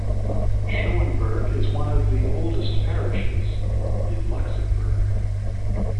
Schoenberg is one of the oldest parishes in Luxembourg.